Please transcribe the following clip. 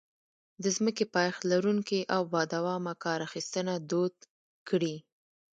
د ځمکې پایښت لرونکې او بادوامه کار اخیستنه دود کړي.